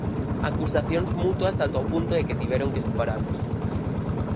Acusacións mutuas ata o punto de que tiveron que separalos.